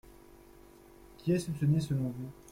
Qui est soupçonné selon vous ?